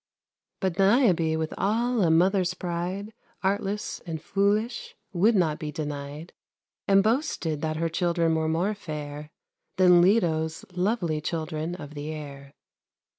But Niobe with all a mother's pride, Artless and foolish, would not be denied; And boasted that her children were more fair Than Leto's lovely children of the air.